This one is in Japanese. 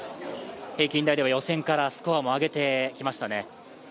平均台では予選からスコアも上げてきましたね。